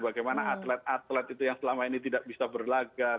bagaimana atlet atlet itu yang selama ini tidak bisa berlagak